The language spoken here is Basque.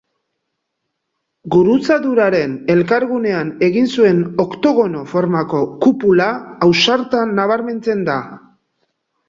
Gurutzaduraren elkargunean egin zuen oktogono formako kupula ausarta nabarmentzen da.